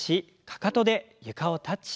かかとで床をタッチ。